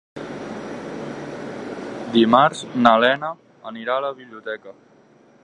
Dimarts na Lena anirà a la biblioteca.